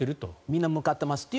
みんな向かってます。